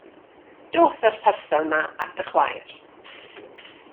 Dos â'r parsal 'ma at dy chwaer.